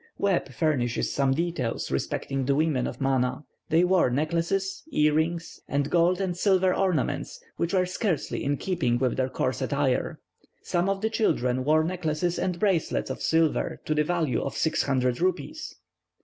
Webb furnishes some details respecting the women of Manah. They wore necklaces, earrings, and gold and silver ornaments, which were scarcely in keeping with their coarse attire. Some of the children wore necklaces and bracelets of silver to the value of six hundred rupees.